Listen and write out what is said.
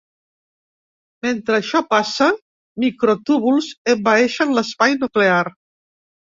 Mentre això passa, microtúbuls envaeixen l'espai nuclear.